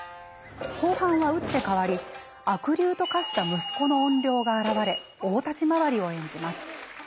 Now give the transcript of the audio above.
後半は打って変わり悪龍と化した息子の怨霊が現れ大立ち回りを演じます。